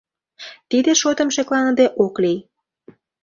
Тиде шотым шекланыде ок лий.